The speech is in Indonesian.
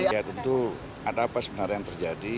ya tentu ada apa sebenarnya yang terjadi